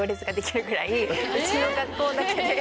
うちの学校だけで。